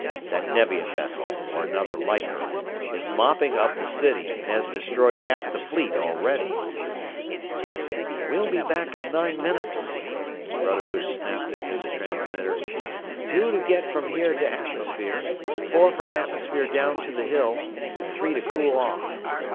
That Nevian vessel or another like her is mopping up the city, and has destroyed half the Fleet already!" "We'll be back there in nine minutes!" Rodebush snapped into the transmitter. "Two to get from here to atmosphere, four from atmosphere down to the Hill, and three to cool off.